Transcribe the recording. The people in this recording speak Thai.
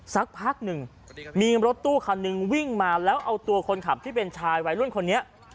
สักพักหนึ่งมีรถตู้คันหนึ่งวิ่งมาแล้วเอาตัวคนขับที่เป็นชายวัยรุ่นคนนี้